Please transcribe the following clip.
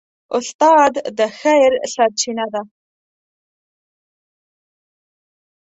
استاد د خیر سرچینه ده.